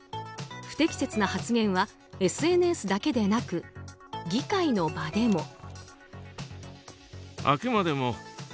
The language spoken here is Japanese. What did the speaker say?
不適切な発言はＳＮＳだけでなく議会の場でも。